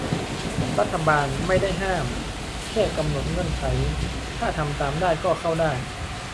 รัฐบาล "ไม่ได้ห้าม" แค่กำหนดเงื่อนไข ถ้าทำตามได้ก็เข้าได้